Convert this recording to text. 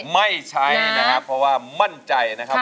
ไม่ใช้นะครับเพราะว่ามั่นใจนะครับ